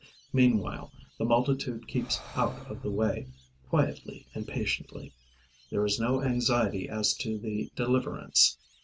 Meanwhile, the multitude keeps out of the way, quietly and patiently. There is no anxiety as to the deliverance.